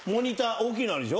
大きいのあるでしょ。